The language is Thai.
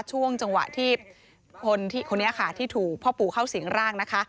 ช่วงจังหวะที่คนนี้ค่ะที่ถูกพ่อปู่เข้าสิงร่างนะคะ